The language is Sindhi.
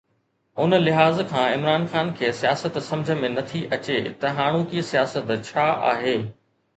ان لحاظ کان عمران خان کي سياست سمجهه ۾ نه ٿي اچي ته هاڻوڪي سياست ڇا آهي؟